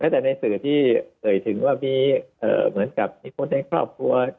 แต่ในสื่อที่เอ่ยถึงว่ามีเหมือนกับมีคนในครอบครัว